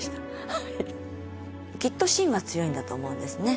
はいきっと芯は強いんだと思うんですね